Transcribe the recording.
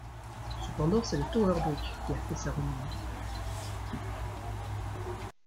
Cependant, c'est le Tower Bridge qui a fait sa renommée.